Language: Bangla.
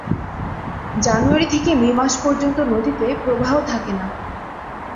জানুয়ারি থেকে মে মাস পর্যন্ত নদীতে প্রবাহ থাকে না।